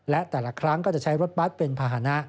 และแต่ละครั้งก็จะใช้รถบัตรเป็นภาษณะ